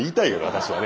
私はね。